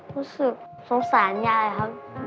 รู้สึกสงสารยายครับ